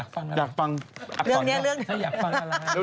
กลับมาช่วงนี้